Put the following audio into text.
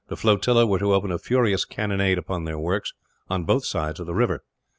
The flotilla were to open a furious cannonade upon their works, on both sides of the river.